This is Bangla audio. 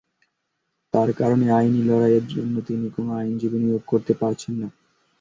তাঁর কারণে আইনি লড়াইয়ের জন্য তিনি কোনো আইনজীবী নিয়োগ করতে পারছেন না।